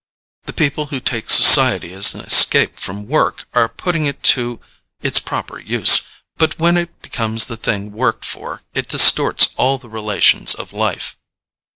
The people who take society as an escape from work are putting it to its proper use; but when it becomes the thing worked for it distorts all the relations of life."